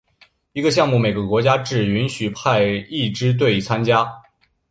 一个项目每个国家只允许派一支队参加。